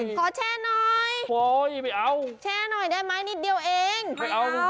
ขอแช่น้อยแช่น้อยได้ไหมนิดเดียวเองไม่เอา